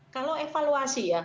kalau evaluasi ya